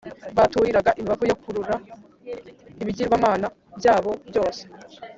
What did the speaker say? baturiraga imibavu yo kurura ibigirwamana byabo byose